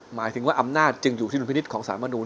หมายถึงว่าอำนาจจึงอยู่ที่ดุลพินิษฐ์ของสารมนุน